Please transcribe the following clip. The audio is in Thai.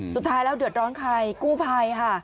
สุดท้ายแล้วเดือดร้อนใครกู้ภัยค่ะ